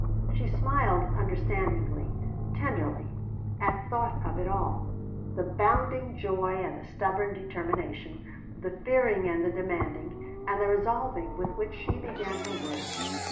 She smiled understandingly, tenderly, at thought of it all the bounding joy and the stubborn determination, the fearing and the demanding and the resolving with which she began her work.